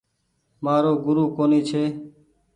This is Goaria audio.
مآرو گورو ڪونيٚ ڇي۔